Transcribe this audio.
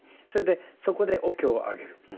それでそこでお経をあげる。